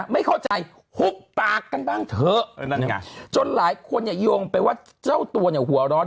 ไม่เข้าใจหุบปากกันบ้างเถอะนั่นไงจนหลายคนเนี่ยโยงไปว่าเจ้าตัวเนี่ยหัวร้อน